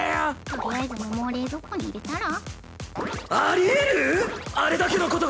とりあえず桃を冷蔵庫に入れたら？